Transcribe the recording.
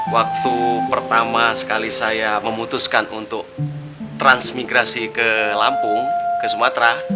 waktu pertama sekali saya memutuskan untuk transmigrasi ke lampung ke sumatera